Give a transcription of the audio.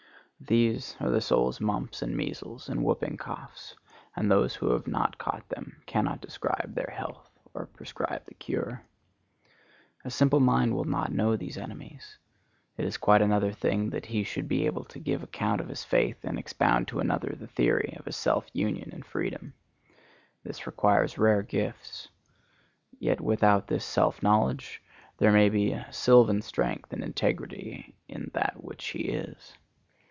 These are the soul's mumps and measles and whooping coughs, and those who have not caught them cannot describe their health or prescribe the cure. A simple mind will not know these enemies. It is quite another thing that he should be able to give account of his faith and expound to another the theory of his self union and freedom. This requires rare gifts. Yet without this self knowledge there may be a sylvan strength and integrity in that which he is.